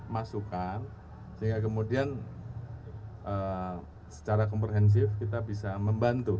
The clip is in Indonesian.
masukan sehingga kemudian secara komprehensif kita bisa membantu